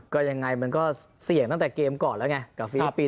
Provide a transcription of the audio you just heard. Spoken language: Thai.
ก็ยังไงมันก็เสี่ยงตั้งแต่เกมก่อนแล้วไง